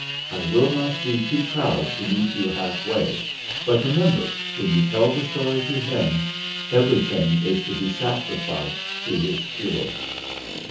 I will not be too proud to meet you half way; but remember, when you tell the story to him, everything is to be sacrificed to his cure."